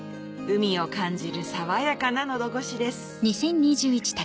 海を感じる爽やかな喉ごしです